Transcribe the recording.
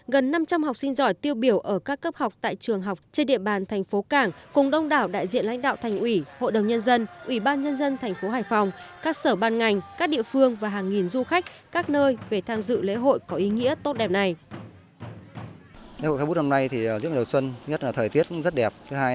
gần năm trăm linh học sinh giỏi tiêu biểu ở các cấp học tại trường học trên địa bàn thành phố cảng cùng đông đảo đại diện lãnh đạo thành ủy hội đồng nhân dân ủy ban nhân dân thành phố hải phòng các sở ban ngành các địa phương và hàng nghìn du khách các nơi về tham dự lễ hội có ý nghĩa tốt đẹp này